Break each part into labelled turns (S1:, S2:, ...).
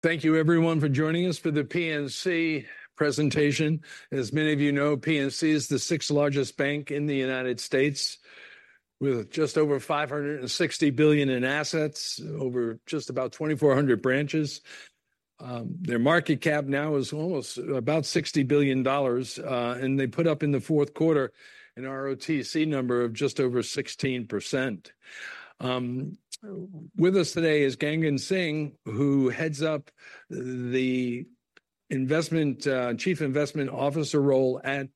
S1: Thank you everyone for joining us for the PNC presentation. As many of you know, PNC is the sixth largest bank in the United States, with just over $560 billion in assets, over just about 2,400 branches. Their market cap now is almost about $60 billion, and they put up in the fourth quarter an ROTCE number of just over 16%. With us today is Gagan Singh, who heads up the investment, Chief Investment Officer role at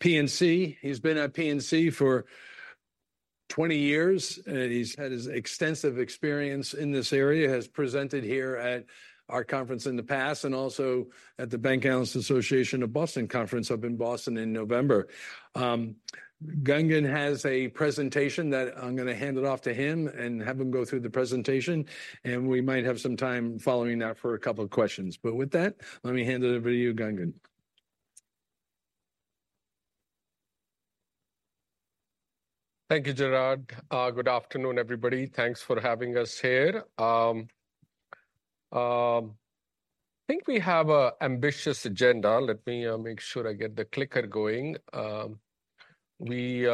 S1: PNC. He's been at PNC for 20 years, and he's had his extensive experience in this area, has presented here at our conference in the past, and also at the Bank Analyst Association of Boston conference up in Boston in November. Gagan has a presentation that I'm gonna hand it off to him and have him go through the presentation, and we might have some time following that for a couple of questions. But with that, let me hand it over to you, Gagan.
S2: Thank you, Gerard. Good afternoon, everybody. Thanks for having us here. I think we have an ambitious agenda. Let me make sure I get the clicker going. We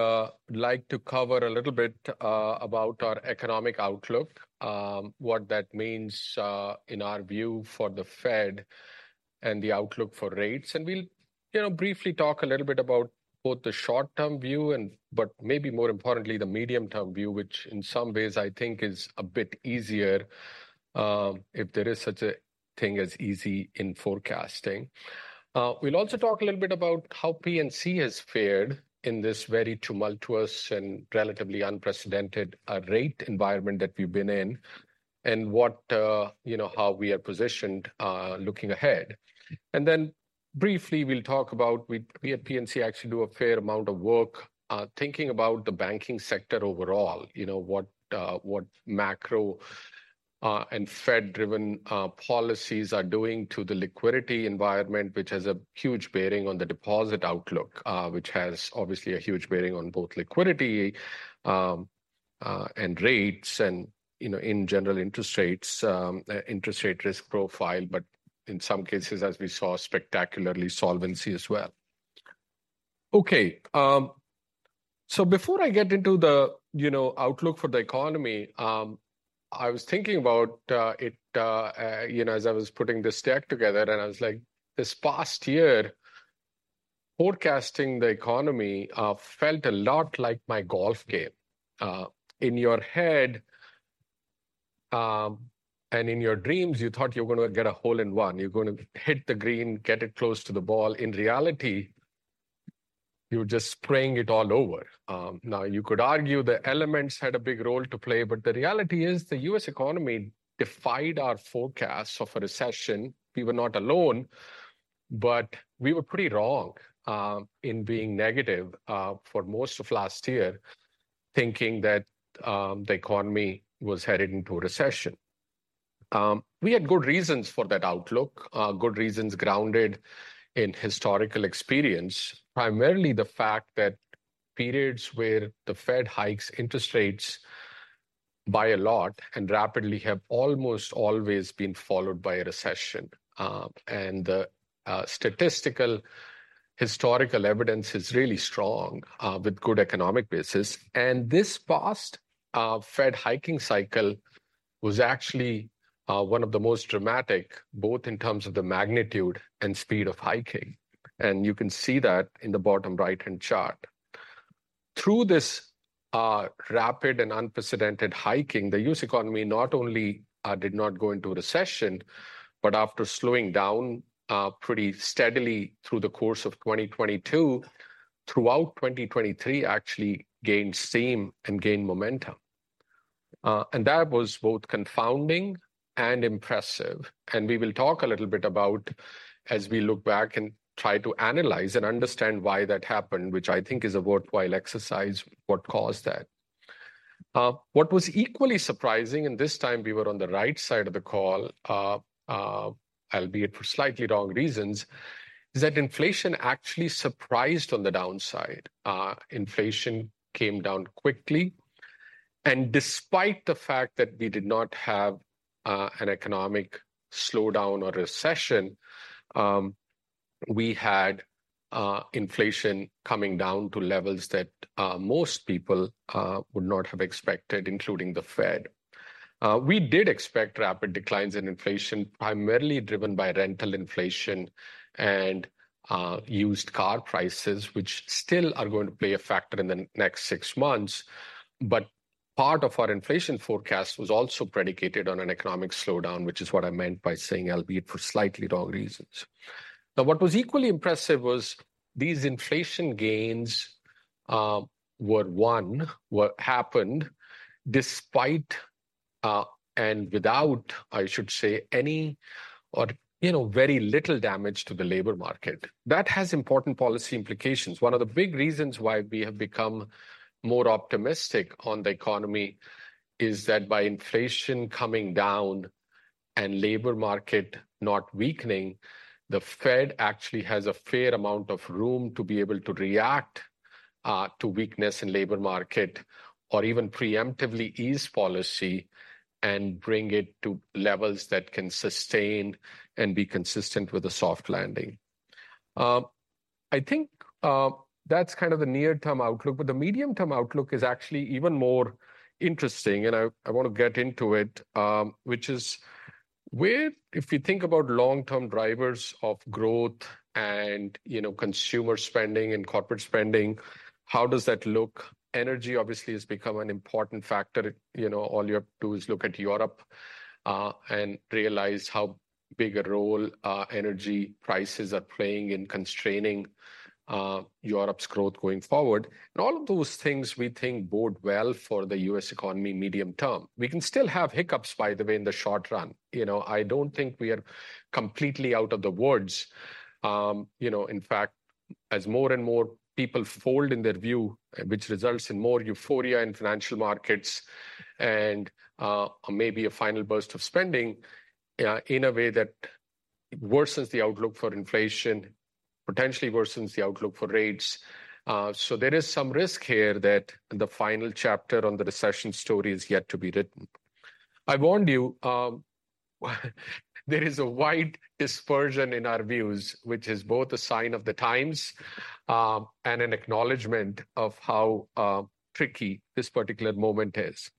S2: like to cover a little bit about our economic outlook, what that means in our view for the Fed and the outlook for rates. And we'll, you know, briefly talk a little bit about both the short-term view and, but maybe more importantly, the medium-term view, which in some ways I think is a bit easier, if there is such a thing as easy in forecasting. We'll also talk a little bit about how PNC has fared in this very tumultuous and relatively unprecedented rate environment that we've been in, and what, you know, how we are positioned looking ahead. And then briefly, we'll talk about, we at PNC actually do a fair amount of work, thinking about the banking sector overall, you know, what macro and Fed-driven policies are doing to the liquidity environment, which has a huge bearing on the deposit outlook, which has obviously a huge bearing on both liquidity and rates, and, you know, in general, interest rates, interest rate risk profile, but in some cases, as we saw, spectacularly, solvency as well. Okay, so before I get into the, you know, outlook for the economy, I was thinking about, you know, as I was putting this deck together, and I was like, this past year, forecasting the economy, felt a lot like my golf game. In your head, and in your dreams, you thought you were gonna get a hole in one. You're gonna hit the green, get it close to the ball. In reality, you're just spraying it all over. Now, you could argue the elements had a big role to play, but the reality is, the U.S. economy defied our forecasts of a recession. We were not alone, but we were pretty wrong in being negative for most of last year, thinking that the economy was headed into a recession. We had good reasons for that outlook, good reasons grounded in historical experience, primarily the fact that periods where the Fed hikes interest rates by a lot and rapidly have almost always been followed by a recession. The statistical historical evidence is really strong with good economic basis. This past Fed hiking cycle was actually one of the most dramatic, both in terms of the magnitude and speed of hiking, and you can see that in the bottom right-hand chart. Through this rapid and unprecedented hiking, the U.S. economy not only did not go into a recession, but after slowing down pretty steadily through the course of 2022, throughout 2023, actually gained steam and gained momentum. That was both confounding and impressive, and we will talk a little bit about as we look back and try to analyze and understand why that happened, which I think is a worthwhile exercise, what caused that. What was equally surprising, and this time we were on the right side of the call, albeit for slightly wrong reasons, is that inflation actually surprised on the downside. Inflation came down quickly, and despite the fact that we did not have an economic slowdown or recession, we had inflation coming down to levels that most people would not have expected, including the Fed. We did expect rapid declines in inflation, primarily driven by rental inflation and used car prices, which still are going to play a factor in the next six months. But part of our inflation forecast was also predicated on an economic slowdown, which is what I meant by saying albeit for slightly wrong reasons. Now, what was equally impressive was these inflation gains were one, what happened despite and without, I should say, any or, you know, very little damage to the labor market. That has important policy implications. One of the big reasons why we have become more optimistic on the economy is that by inflation coming down and labor market not weakening, the Fed actually has a fair amount of room to be able to react to weakness in labor market, or even preemptively ease policy and bring it to levels that can sustain and be consistent with a soft landing. I think that's kind of the near-term outlook, but the medium-term outlook is actually even more interesting, and I wanna get into it, which is where if you think about long-term drivers of growth and, you know, consumer spending and corporate spending, how does that look? Energy obviously has become an important factor. You know, all you have to do is look at Europe, and realize how big a role, energy prices are playing in constraining, Europe's growth going forward. And all of those things we think bode well for the US economy medium term. We can still have hiccups, by the way, in the short run. You know, I don't think we are completely out of the woods. You know, in fact, as more and more people fold in their view, which results in more euphoria in financial markets and, maybe a final burst of spending, in a way that worsens the outlook for inflation, potentially worsens the outlook for rates. So there is some risk here that the final chapter on the recession story is yet to be written. I warned you, there is a wide dispersion in our views, which is both a sign of the times, and an acknowledgment of how tricky this particular moment is.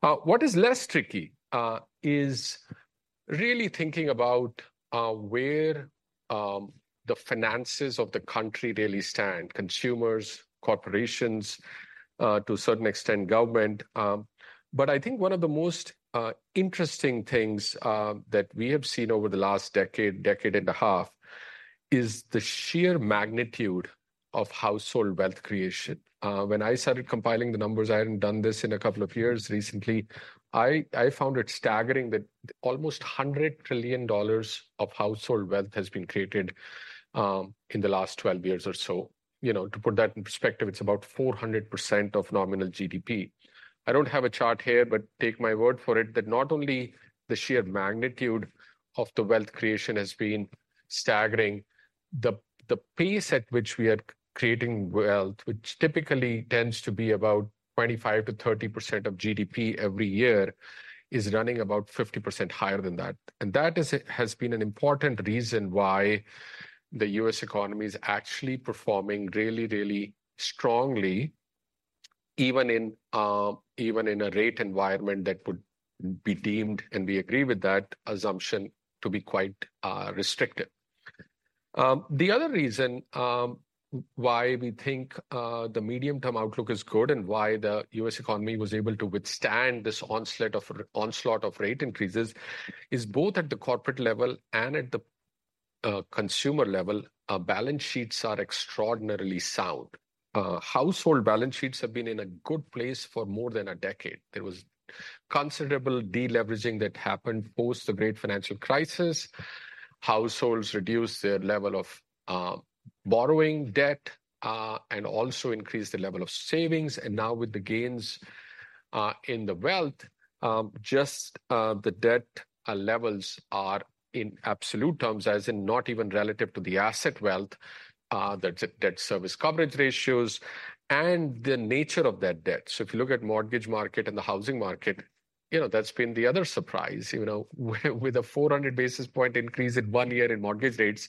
S2: What is less tricky is really thinking about where the finances of the country really stand: consumers, corporations, to a certain extent, government. But I think one of the most interesting things that we have seen over the last decade, decade and a half, is the sheer magnitude of household wealth creation. When I started compiling the numbers, I hadn't done this in a couple of years recently. I found it staggering that almost $100 trillion of household wealth has been created, in the last 12 years or so. You know, to put that in perspective, it's about 400% of nominal GDP. I don't have a chart here, but take my word for it that not only the sheer magnitude of the wealth creation has been staggering, the pace at which we are creating wealth, which typically tends to be about 25%-30% of GDP every year, is running about 50% higher than that. And that has been an important reason why the U.S. economy is actually performing really, really strongly, even in a rate environment that would be deemed, and we agree with that assumption, to be quite restrictive. The other reason why we think the medium-term outlook is good and why the U.S. economy was able to withstand this onslaught of rate increases is both at the corporate level and at the consumer level, our balance sheets are extraordinarily sound. Household balance sheets have been in a good place for more than a decade. There was considerable de-leveraging that happened post the Great Financial Crisis. Households reduced their level of borrowing debt, and also increased the level of savings. And now with the gains in the wealth, just the debt levels are in absolute terms, as in not even relative to the asset wealth, the debt service coverage ratios and the nature of that debt. So if you look at mortgage market and the housing market, you know, that's been the other surprise. You know, with a 400 basis points increase in one year in mortgage rates,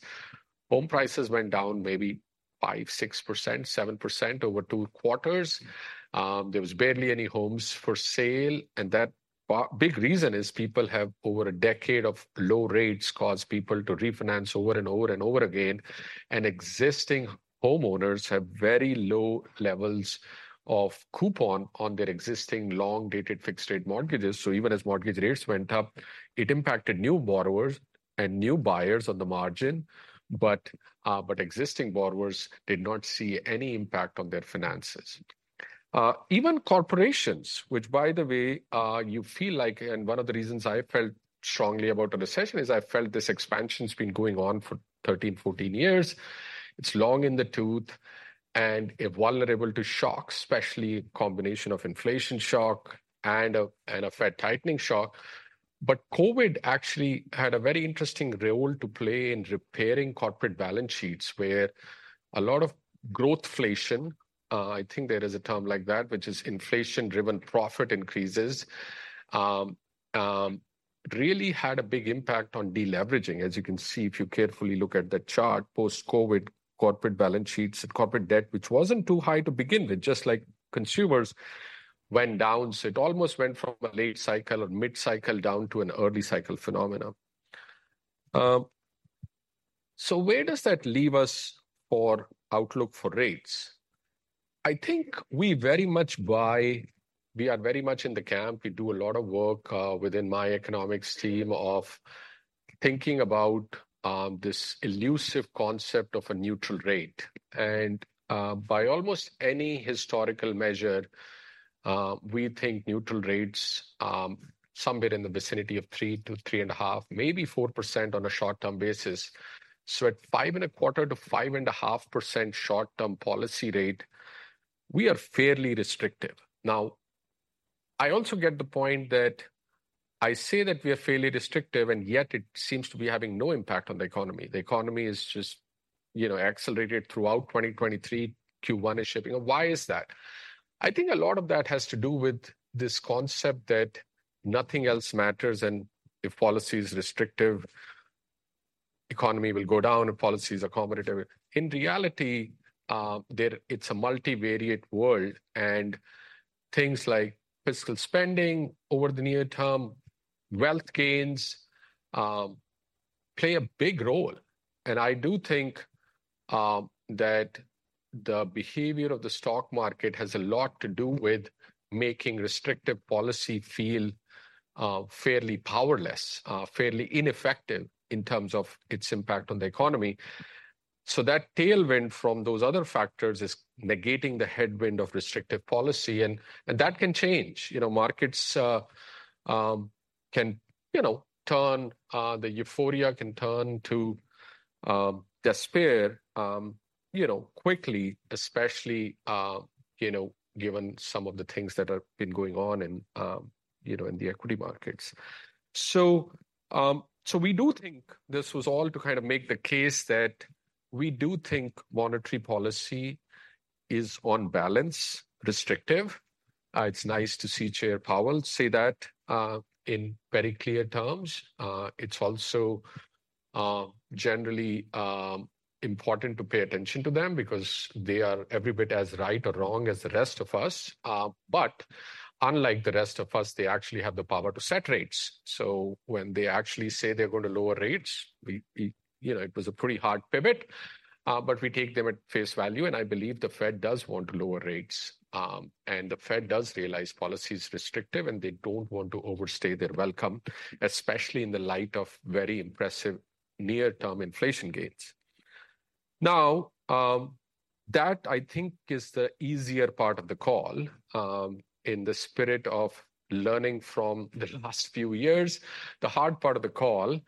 S2: home prices went down maybe 5, 6%, 7% over two quarters. There was barely any homes for sale, and that big reason is people have over a decade of low rates caused people to refinance over and over and over again, and existing homeowners have very low levels of coupon on their existing long-dated fixed-rate mortgages. So even as mortgage rates went up, it impacted new borrowers and new buyers on the margin, but but existing borrowers did not see any impact on their finances. Even corporations, which, by the way, you feel like, and one of the reasons I felt strongly about a recession, is I felt this expansion's been going on for 13, 14 years. It's long in the tooth, and it's vulnerable to shocks, especially a combination of inflation shock and a and a Fed tightening shock. But COVID actually had a very interesting role to play in repairing corporate balance sheets, where a lot of growthflation, I think there is a term like that, which is inflation-driven profit increases, really had a big impact on de-leveraging. As you can see, if you carefully look at the chart, post-COVID corporate balance sheets and corporate debt, which wasn't too high to begin with, just like consumers, went down. So it almost went from a late cycle or mid-cycle down to an early cycle phenomena. So where does that leave us for outlook for rates? I think we very much buy... We are very much in the camp. We do a lot of work within my economics team of thinking about this elusive concept of a neutral rate. By almost any historical measure, we think neutral rates somewhere in the vicinity of 3-3.5, maybe 4% on a short-term basis. So at 5.25%-5.5% short-term policy rate, we are fairly restrictive. Now, I also get the point that I say that we are fairly restrictive, and yet it seems to be having no impact on the economy. The economy is just, you know, accelerated throughout 2023. Q1 is shaping up. Why is that? I think a lot of that has to do with this concept that nothing else matters, and if policy is restrictive, economy will go down, if policies are accommodative. In reality, there, it's a multivariate world, and things like fiscal spending over the near term, wealth gains play a big role. And I do think that the behavior of the stock market has a lot to do with making restrictive policy feel fairly powerless, fairly ineffective in terms of its impact on the economy. So that tailwind from those other factors is negating the headwind of restrictive policy, and that can change. You know, markets can, you know, turn, the euphoria can turn to despair, you know, quickly, especially, you know, given some of the things that have been going on in, you know, in the equity markets. So, so we do think this was all to kind of make the case that we do think monetary policy is, on balance, restrictive. It's nice to see Chair Powell say that in very clear terms. It's also generally important to pay attention to them because they are every bit as right or wrong as the rest of us. But unlike the rest of us, they actually have the power to set rates. So when they actually say they're going to lower rates, we—you know, it was a pretty hard pivot, but we take them at face value, and I believe the Fed does want to lower rates. And the Fed does realize policy is restrictive, and they don't want to overstay their welcome, especially in the light of very impressive near-term inflation gains. Now, that I think is the easier part of the call. In the spirit of learning from the last few years, the hard part of the call is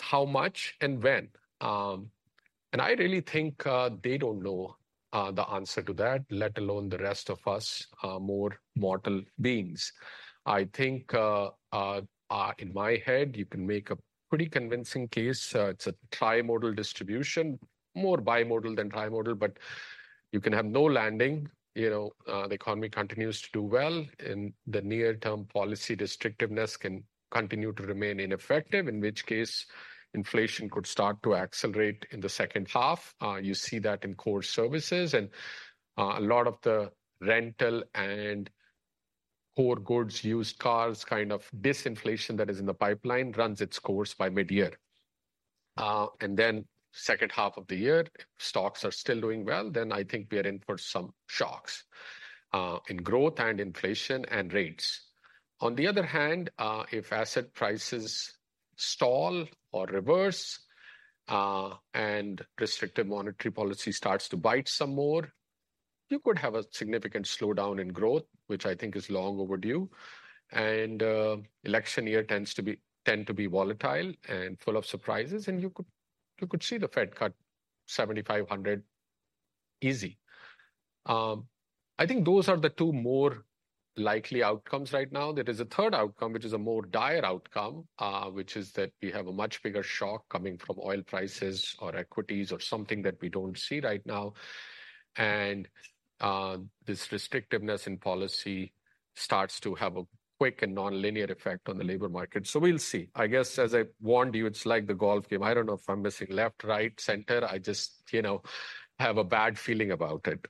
S2: how much and when? And I really think they don't know the answer to that, let alone the rest of us, more mortal beings. I think in my head, you can make a pretty convincing case. It's a trimodal distribution, more bimodal than trimodal, but you can have no landing. You know, the economy continues to do well, in the near term, policy restrictiveness can continue to remain ineffective, in which case, inflation could start to accelerate in the second half. You see that in core services and a lot of the rental and core goods, used cars, kind of disinflation that is in the pipeline runs its course by midyear. And then second half of the year, stocks are still doing well, then I think we are in for some shocks in growth and inflation and rates. On the other hand, if asset prices stall or reverse, and restrictive monetary policy starts to bite some more, you could have a significant slowdown in growth, which I think is long overdue. Election year tends to be volatile and full of surprises, and you could see the Fed cut 75,100 easy. I think those are the two more likely outcomes right now. There is a third outcome, which is a more dire outcome, which is that we have a much bigger shock coming from oil prices or equities or something that we don't see right now, and this restrictiveness in policy starts to have a quick and nonlinear effect on the labor market. So we'll see. I guess, as I warned you, it's like the golf game. I don't know if I'm missing left, right, center. I just, you know, have a bad feeling about it.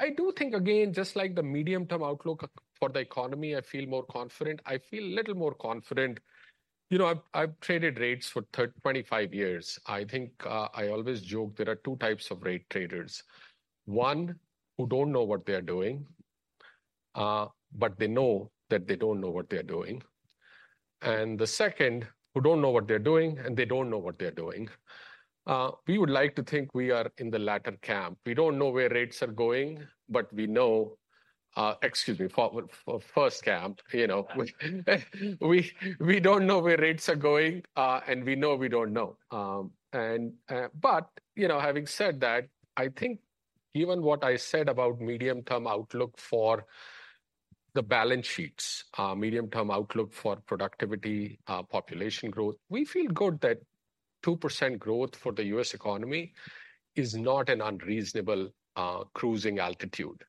S2: I do think, again, just like the medium-term outlook for the economy, I feel more confident. I feel a little more confident. You know, I've traded rates for 25 years. I think I always joke there are two types of rate traders: one who don't know what they are doing, but they know that they don't know what they are doing, and the second, who don't know what they're doing, and they don't know what they're doing. We would like to think we are in the latter camp. We don't know where rates are going, but we know... Excuse me, for first camp, you know we don't know where rates are going, and we know we don't know. But, you know, having said that, I think even what I said about medium-term outlook for the balance sheets, medium-term outlook for productivity, population growth, we feel good that 2% growth for the U.S. economy is not an unreasonable cruising altitude.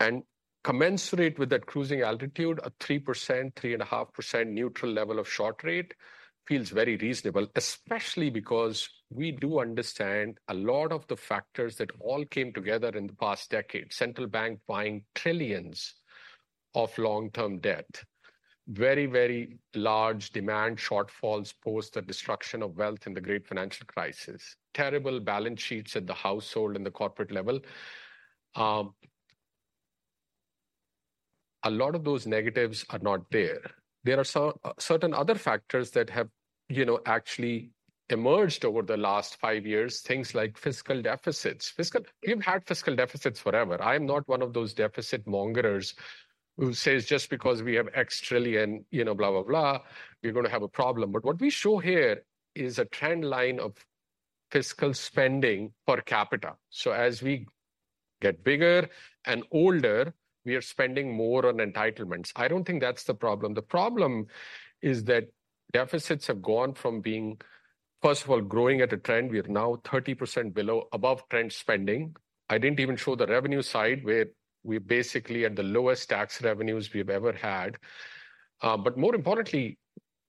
S2: And commensurate with that cruising altitude, a 3%-3.5% neutral level of short rate feels very reasonable, especially because we do understand a lot of the factors that all came together in the past decade. Central bank buying trillions of long-term debt, very, very large demand shortfalls post the destruction of wealth in the great financial crisis, terrible balance sheets at the household and the corporate level. A lot of those negatives are not there. There are certain other factors that have, you know, actually emerged over the last five years, things like fiscal deficits. We've had fiscal deficits forever. I'm not one of those deficit mongerers who says, "Just because we have X trillion, you know, blah, blah, blah, we're gonna have a problem." But what we show here is a trend line of fiscal spending per capita. So as we get bigger and older, we are spending more on entitlements. I don't think that's the problem. The problem is that deficits have gone from being, first of all, growing at a trend. We are now 30% below the trend spending. I didn't even show the revenue side, where we're basically at the lowest tax revenues we've ever had. But more importantly,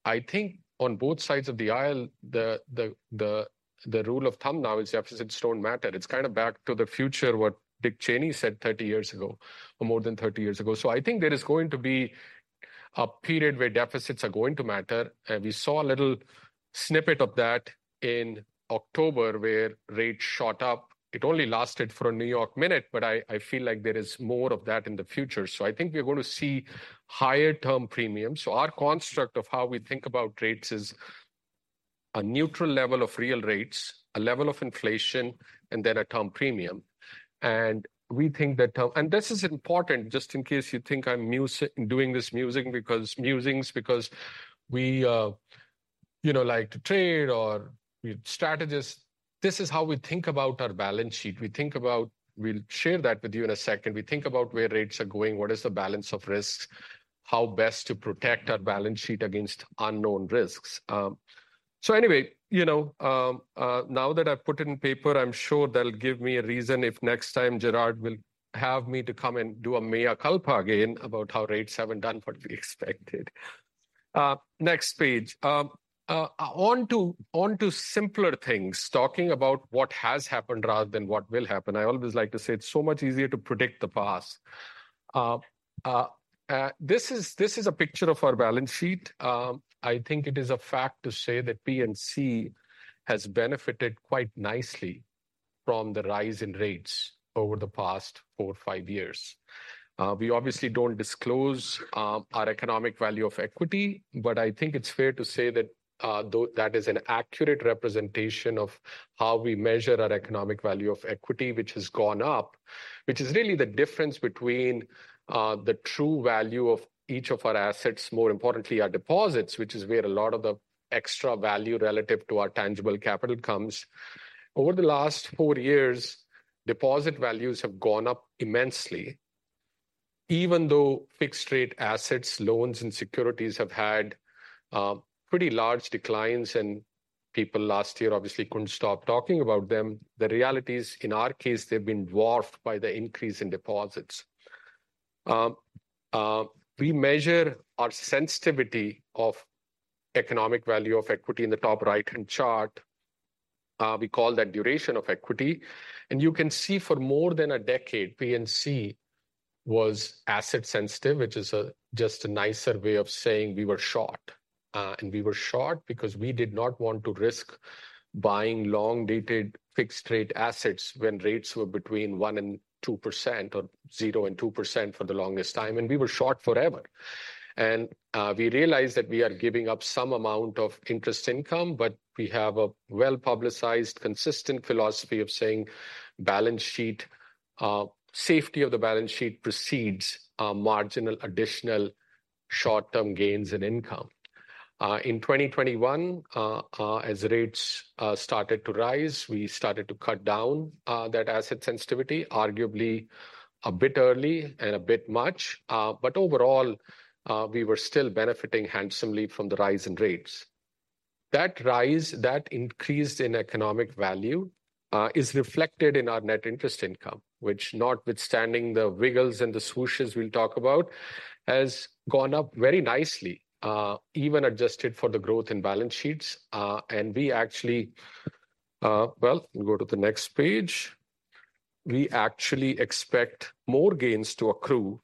S2: I think on both sides of the aisle, the rule of thumb now is deficits don't matter. It's kind of back to the future, what Dick Cheney said 30 years ago or more than 30 years ago. So I think there is going to be a period where deficits are going to matter, and we saw a little snippet of that in October, where rates shot up. It only lasted for a New York minute, but I, I feel like there is more of that in the future. So I think we're going to see higher term premiums. So our construct of how we think about rates is a neutral level of real rates, a level of inflation, and then a term premium. And we think that—and this is important, just in case you think I'm musing because we, you know, like to trade or we're strategists. This is how we think about our balance sheet. We think about... We'll share that with you in a second. We think about where rates are going, what is the balance of risks, how best to protect our balance sheet against unknown risks. So anyway, you know, now that I've put it in paper, I'm sure they'll give me a reason if next time Gerard will have me to come and do a mea culpa again about how rates haven't done what we expected. Next page. On to simpler things, talking about what has happened rather than what will happen. I always like to say it's so much easier to predict the past. This is a picture of our balance sheet. I think it is a fact to say that PNC has benefited quite nicely from the rise in rates over the past four, five years. We obviously don't disclose our economic value of equity, but I think it's fair to say that though that is an accurate representation of how we measure our economic value of equity, which has gone up, which is really the difference between the true value of each of our assets, more importantly, our deposits, which is where a lot of the extra value relative to our tangible capital comes. Over the last four years, deposit values have gone up immensely, even though fixed-rate assets, loans, and securities have had pretty large declines, and people last year obviously couldn't stop talking about them. The reality is, in our case, they've been dwarfed by the increase in deposits. We measure our sensitivity of economic value of equity in the top right-hand chart. We call that duration of equity. You can see for more than a decade, PNC was asset sensitive, which is just a nicer way of saying we were short. We were short because we did not want to risk buying long-dated fixed-rate assets when rates were between 1%-2%, or 0%-2% for the longest time, and we were short forever. We realized that we are giving up some amount of interest income, but we have a well-publicized, consistent philosophy of saying balance sheet safety of the balance sheet precedes marginal additional short-term gains in income. In 2021, as rates started to rise, we started to cut down that asset sensitivity, arguably a bit early and a bit much. But overall, we were still benefiting handsomely from the rise in rates. That rise, that increase in economic value, is reflected in our net interest income, which notwithstanding the wiggles and the swooshes we'll talk about, has gone up very nicely, even adjusted for the growth in balance sheets. We actually... Well, go to the next page. We actually expect more gains to accrue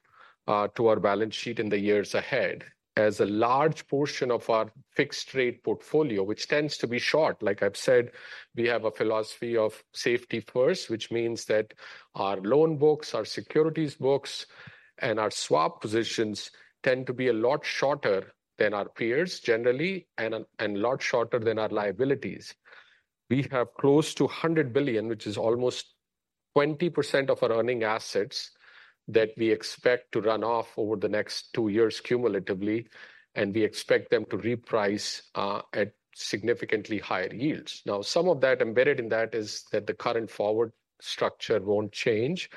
S2: to our balance sheet in the years ahead as a large portion of our fixed-rate portfolio, which tends to be short. Like I've said, we have a philosophy of safety first, which means that our loan books, our securities books, and our swap positions tend to be a lot shorter than our peers generally, and a lot shorter than our liabilities. We have close to $100 billion, which is almost 20% of our earning assets, that we expect to run off over the next two years cumulatively, and we expect them to reprice at significantly higher yields. Now, some of that, embedded in that is that the current forward structure won't change,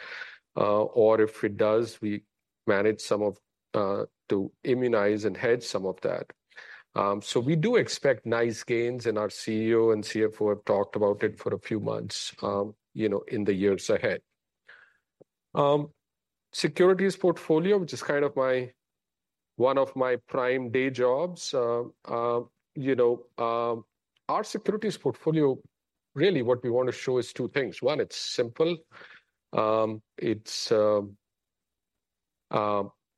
S2: or if it does, we manage some of to immunize and hedge some of that. So we do expect nice gains, and our CEO and CFO have talked about it for a few months, you know, in the years ahead. Securities portfolio, which is kind of my, one of my prime day jobs, you know, our securities portfolio, really what we want to show is two things. One, it's simple. It's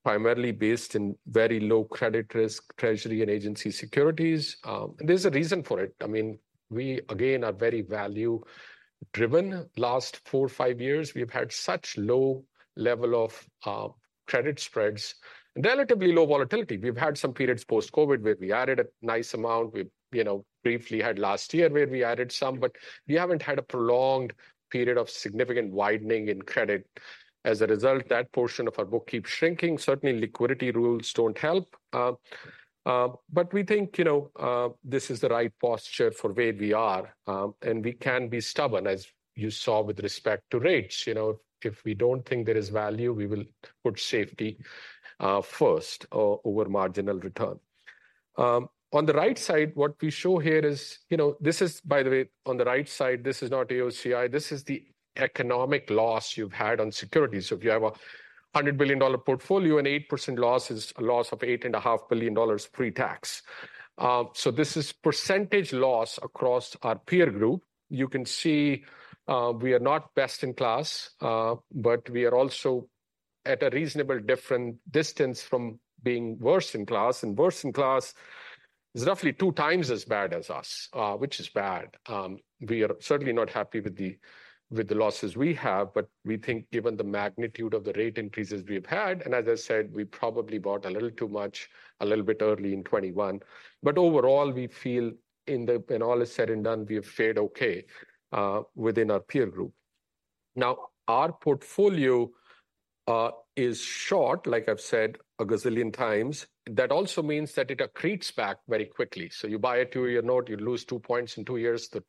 S2: primarily based in very low credit risk, Treasury and agency securities. There's a reason for it. I mean, we, again, are very value-driven. Last four, five years, we've had such low level of credit spreads and relatively low volatility. We've had some periods post-COVID where we added a nice amount. We, you know, briefly had last year where we added some, but we haven't had a prolonged period of significant widening in credit. As a result, that portion of our book keeps shrinking. Certainly, liquidity rules don't help. But we think, you know, this is the right posture for where we are, and we can be stubborn, as you saw with respect to rates. You know, if we don't think there is value, we will put safety first over marginal return. On the right side, what we show here is, you know, this is, by the way, on the right side, this is not AOCI, this is the economic loss you've had on securities. So if you have a $100 billion portfolio, an 8% loss is a loss of $8.5 billion pre-tax. So this is percentage loss across our peer group. You can see, we are not best in class, but we are also at a reasonable different distance from being worst in class, and worst in class is roughly two times as bad as us, which is bad. We are certainly not happy with the, with the losses we have, but we think given the magnitude of the rate increases we have had, and as I said, we probably bought a little too much a little bit early in 2021. But overall, we feel in the—when all is said and done, we have fared okay, within our peer group. Now, our portfolio is short, like I've said a gazillion times. That also means that it accretes back very quickly. So you buy a two-year note, you lose two points in two years, the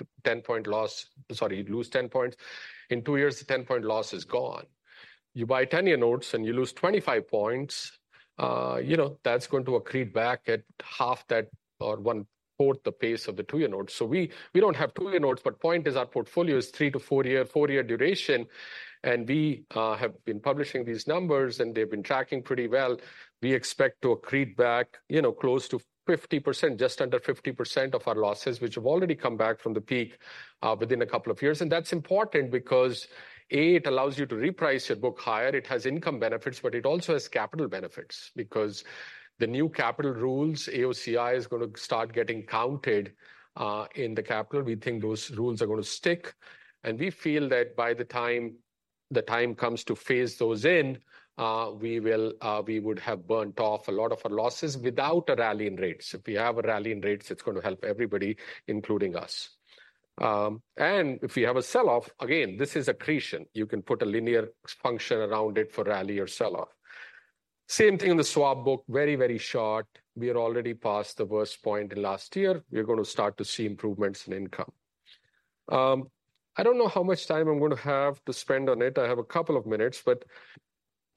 S2: two—the 10-point loss—Sorry, you lose 10 points. In two years, the 10-point loss is gone. You buy 10-year notes, and you lose 25 points, you know, that's going to accrete back at half that or 1/4 the pace of the two-year note. So we don't have two-year notes, but point is, our portfolio is three- to four-year, four-year duration, and we have been publishing these numbers, and they've been tracking pretty well. We expect to accrete back, you know, close to 50%, just under 50% of our losses, which have already come back from the peak, within a couple of years. And that's important because, A, it allows you to reprice your book higher. It has income benefits, but it also has capital benefits, because the new capital rules, AOCI, is gonna start getting counted in the capital. We think those rules are gonna stick, and we feel that by the time the time comes to phase those in, we will, we would have burnt off a lot of our losses without a rally in rates. If we have a rally in rates, it's gonna help everybody, including us. And if we have a sell-off, again, this is accretion. You can put a linear function around it for rally or sell-off. Same thing in the swap book, very, very short. We are already past the worst point in last year. We're gonna start to see improvements in income. I don't know how much time I'm gonna have to spend on it. I have a couple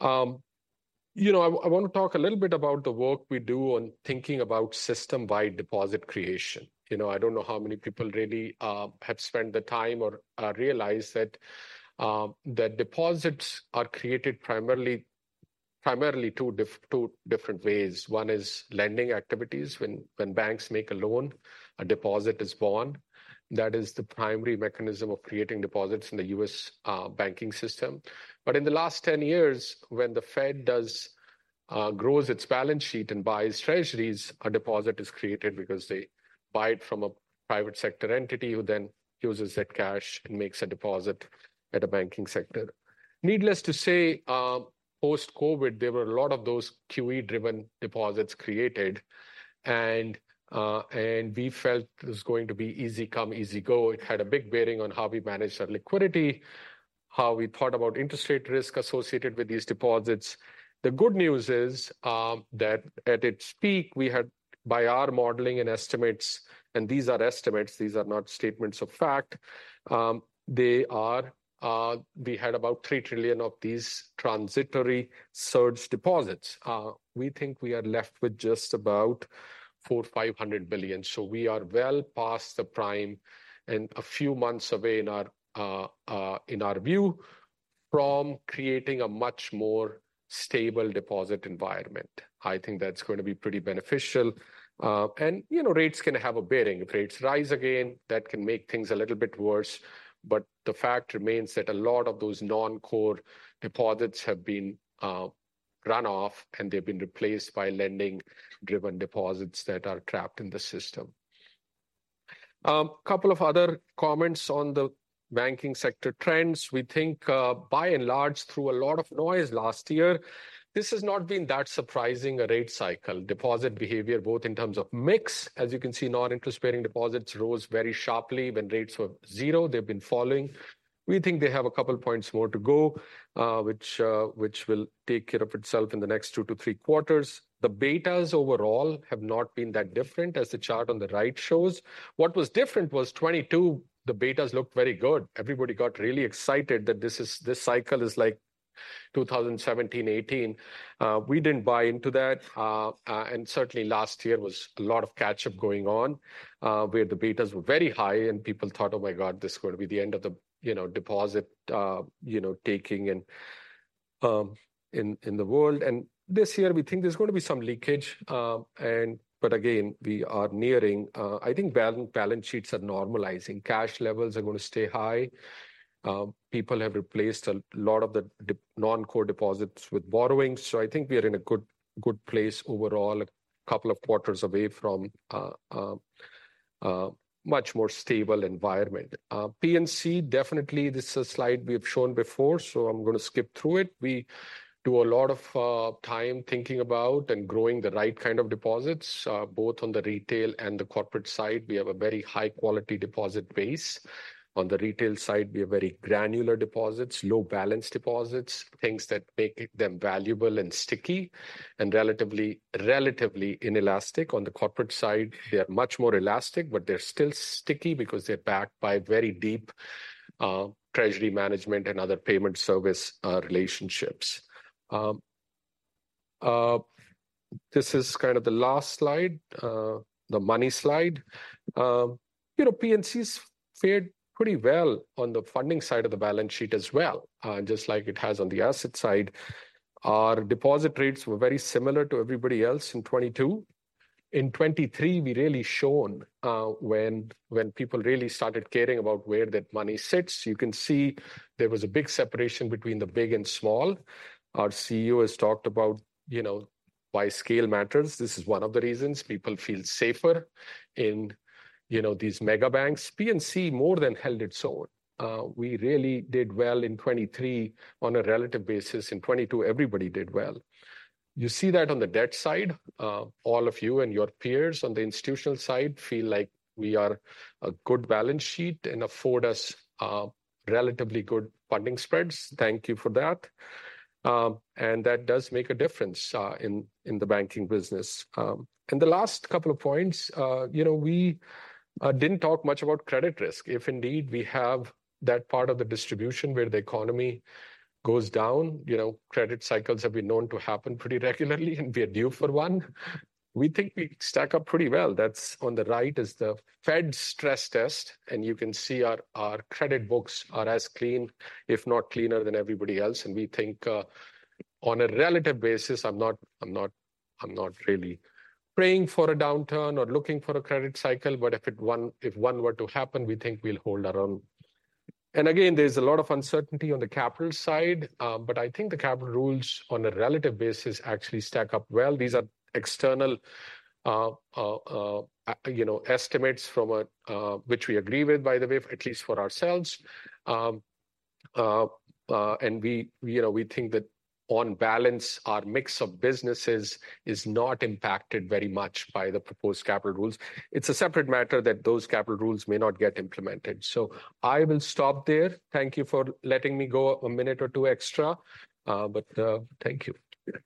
S2: of minutes, but you know, I want to talk a little bit about the work we do on thinking about system-wide deposit creation. You know, I don't know how many people really have spent the time or realized that that deposits are created primarily two different ways. One is lending activities. When banks make a loan, a deposit is born. That is the primary mechanism of creating deposits in the U.S., banking system. But in the last 10 years, when the Fed grows its balance sheet and buys Treasuries, a deposit is created because they buy it from a private sector entity, who then uses that cash and makes a deposit at a banking sector. Needless to say, post-COVID, there were a lot of those QE-driven deposits created, and and we felt it was going to be easy come, easy go. It had a big bearing on how we managed our liquidity, how we thought about interest rate risk associated with these deposits. The good news is, that at its peak, we had, by our modeling and estimates, and these are estimates, these are not statements of fact, they are, we had about $3 trillion of these transitory surge deposits. We think we are left with just about $400 billion-$500 billion. So we are well past the prime and a few months away, in our view, from creating a much more stable deposit environment. I think that's going to be pretty beneficial. And, you know, rates can have a bearing. If rates rise again, that can make things a little bit worse, but the fact remains that a lot of those non-core deposits have been run off, and they've been replaced by lending-driven deposits that are trapped in the system. Couple of other comments on the banking sector trends. We think by and large, through a lot of noise last year, this has not been that surprising a rate cycle. Deposit behavior, both in terms of mix, as you can see, non-interest-bearing deposits rose very sharply when rates were zero. They've been falling. We think they have a couple points more to go, which will take care of itself in the next 2-3 quarters. The betas overall have not been that different, as the chart on the right shows. What was different was 2022, the betas looked very good. Everybody got really excited that this cycle is like 2017-18. We didn't buy into that, and certainly last year was a lot of catch-up going on, where the betas were very high and people thought, "Oh, my God, this is going to be the end of the, you know, deposit, you know, taking in, in the world." And this year, we think there's going to be some leakage. And but again, we are nearing. I think balance sheets are normalizing. Cash levels are going to stay high. People have replaced a lot of the non-core deposits with borrowing, so I think we are in a good, good place overall, a couple of quarters away from a much more stable environment. PNC, definitely, this is a slide we have shown before, so I'm gonna skip through it. We do a lot of time thinking about and growing the right kind of deposits, both on the retail and the corporate side. We have a very high-quality deposit base. On the retail side, we have very granular deposits, low balance deposits, things that make them valuable and sticky and relatively inelastic. On the corporate side, they are much more elastic, but they're still sticky because they're backed by very deep treasury management and other payment service relationships. This is kind of the last slide, the money slide. You know, PNC's fared pretty well on the funding side of the balance sheet as well, just like it has on the asset side. Our deposit rates were very similar to everybody else in 2022. In 2023, we really shone, when people really started caring about where that money sits. You can see there was a big separation between the big and small. Our CEO has talked about, you know, why scale matters. This is one of the reasons people feel safer in, you know, these mega banks. PNC more than held its own. We really did well in 2023 on a relative basis. In 2022, everybody did well. You see that on the debt side. All of you and your peers on the institutional side feel like we are a good balance sheet and afford us relatively good funding spreads. Thank you for that. And that does make a difference in the banking business. And the last couple of points, you know, we didn't talk much about credit risk. If indeed we have that part of the distribution where the economy goes down, you know, credit cycles have been known to happen pretty regularly, and we are due for one. We think we stack up pretty well. That's on the right is the Fed stress test, and you can see our credit books are as clean, if not cleaner, than everybody else. And we think on a relative basis... I'm not, I'm not, I'm not really praying for a downturn or looking for a credit cycle, but if one were to happen, we think we'll hold our own. And again, there's a lot of uncertainty on the capital side, but I think the capital rules on a relative basis actually stack up well. These are external, you know, estimates from a, which we agree with by the way, at least for ourselves. And we, you know, we think that on balance, our mix of businesses is not impacted very much by the proposed capital rules. It's a separate matter that those capital rules may not get implemented. So I will stop there. Thank you for letting me go a minute or two extra, but, thank you.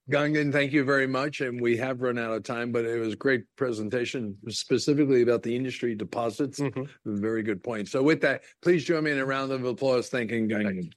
S1: Gagan, thank you very much, and we have run out of time, but it was a great presentation, specifically about the industry deposits.
S2: Mm-hmm.
S1: Very good point. So with that, please join me in a round of applause thanking Gagan.